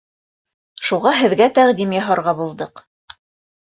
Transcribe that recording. Шуға һеҙгә тәҡдим яһарға булдыҡ.